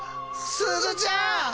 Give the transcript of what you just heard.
すずちゃん！